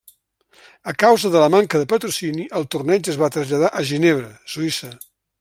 A causa de la manca de patrocini, el torneig es va traslladar a Ginebra, Suïssa.